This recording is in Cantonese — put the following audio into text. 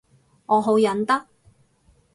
我好忍得